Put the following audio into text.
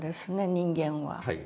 人間は。